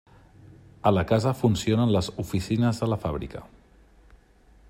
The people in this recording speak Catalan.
A la casa funcionen les oficines de la fàbrica.